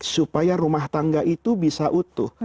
supaya rumah tangga itu bisa utuh